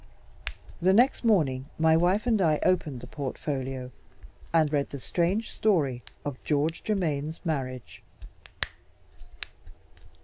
The next morning my wife and I opened the portfolio, and read the strange story of George Germaine's marriage.